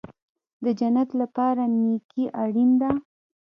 د جنت لپاره نیکي اړین ده